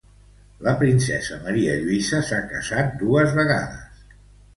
La princesa Maria Lluïsa s'ha casat dos vegades.